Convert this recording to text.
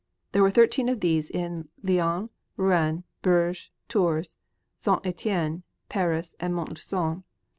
There were thirteen of these in Lyons, Rouen, Bourges, Tours, Ste. Etienne, Paris and Mont Lucon.